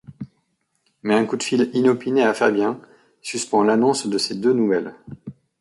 Mais un coup de fil inopiné à Fabien suspend l'annonce de ces deux nouvelles.